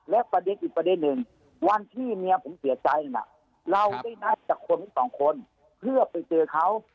และประเด็นอีกประเด็นหนึ่งวันที่เมียผมเสียใจน่ะเราได้นัดจากคนทั้งสองคนเพื่อไปเจอเขา